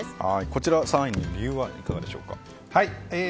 こちら３位の理由はいかがでしょうか。